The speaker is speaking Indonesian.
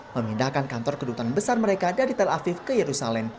memindahkan kantor kedutaan besar mereka dari tel aviv ke yerusalem